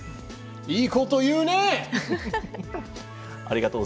いいこと言うね！